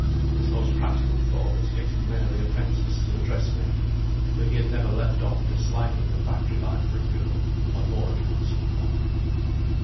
His most practical thought was getting Mary apprenticed to a dressmaker; for he had never left off disliking a factory life for a girl, on more accounts than one.